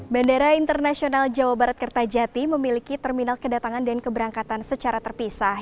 bandara internasional jawa barat kertajati memiliki terminal kedatangan dan keberangkatan secara terpisah